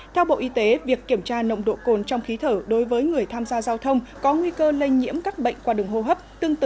theo bộ y tế việc kiểm tra nồng độ cồn trong khí thở đối với người tham gia giao thông có nguy cơ lây nhiễm các bệnh qua đường hô hấp